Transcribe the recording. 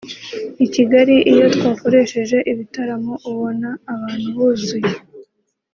i Kigali iyo twakoresheje ibitaramo ubona abantu buzuye